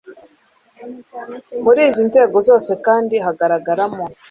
muri izi nzego zose kandi hagaragaramo